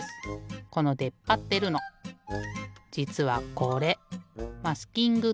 このでっぱってるのじつはこれマスキングテープ。